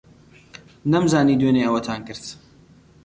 نەمزانی دوێنێ ئەوەتان کرد.